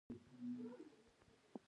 دوښمن مو په وچ مټ مات کړ.